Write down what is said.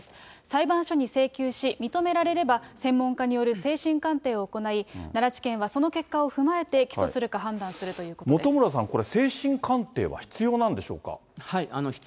裁判所に請求し、認められれば、専門家による精神鑑定を行い、奈良地検はその結果を踏まえて、起訴するか判断するということで今回の勾留満期なんですね。